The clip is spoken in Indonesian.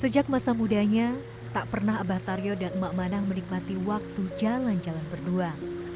sejak masa mudanya tak pernah abah taryo dan emak manah menikmati waktu jalan jalan berdua